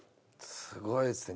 すごいですね。